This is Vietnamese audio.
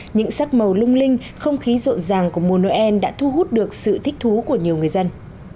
những sắc màu lung linh không khí rộn ràng của mùa noel đã thu hút được sự thích thú của nhiều người dân